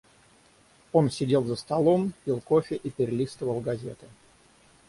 Он сидел за столом, пил кофе и перелистывал газеты.